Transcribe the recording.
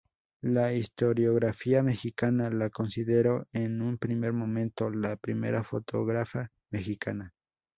La historiografía mexicana la consideró en un primer momento la primera fotógrafa mexicana.